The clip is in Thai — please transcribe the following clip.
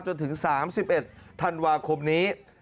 จนถึง๓๑ธันวาคมนี้